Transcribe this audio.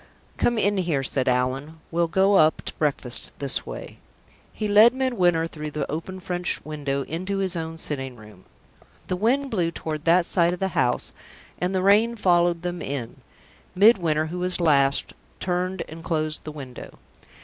"Come in here," said Allan. "We'll go up to breakfast this way." He led Midwinter through the open French window into his own sitting room. The wind blew toward that side of the house, and the rain followed them in. Midwinter, who was last, turned and closed the window.